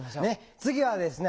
次はですね